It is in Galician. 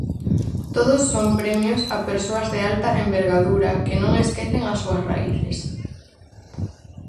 Todos son premios a persoas de alta envergadura que non esquecen as súas raíces.